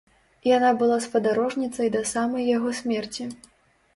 Яна была спадарожніцай да самай яго смерці.